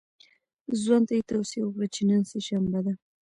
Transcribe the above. ځوان ته یې توصیه وکړه چې نن سه شنبه ده.